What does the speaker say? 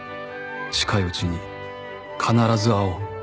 「近いうちに必ず会おう。